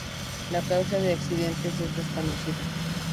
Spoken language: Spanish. La causa del accidente es desconocida.